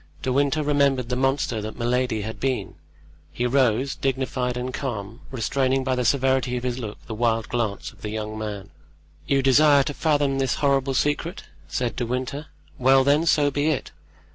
De Winter remembered the monster that Milady had been; he rose, dignified and calm, restraining by the severity of his look the wild glance of the young man. "You desire to fathom this horrible secret?" said De Winter; "well, then, so be it.